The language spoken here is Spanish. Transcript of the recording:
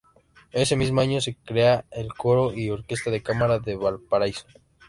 Ese mismo año se crea el coro y orquesta de cámara de Valparaíso.